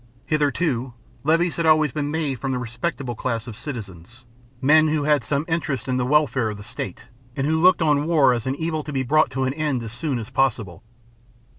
Hitherto, levies had always been made from the respectable class of citizens, men who had some interest in the welfare of the state, and who looked on war as an evil to be brought to an end as soon as possible.